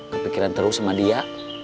kepikiran terus sama dia